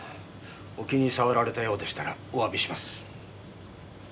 お気に障られたようでしたらお詫びします。